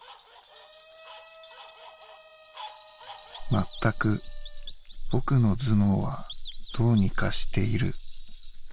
「全く僕の頭脳はどうにかしている。